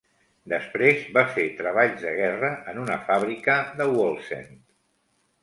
Després va fer treballs de guerra en una fàbrica de Wallsend.